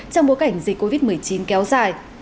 trong bối cảnh dịch covid một mươi chín kéo dài